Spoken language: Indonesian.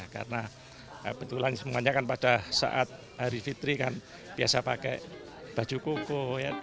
karena kebetulan semuanya kan pada saat hari fitri kan biasa pakai baju koko